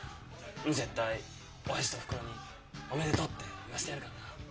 絶対親父とおふくろに「おめでとう」って言わしてやるからな。